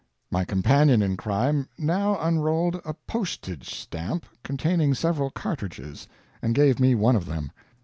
My companion in crime now unrolled a postage stamp containing several cartridges, and gave me one of them.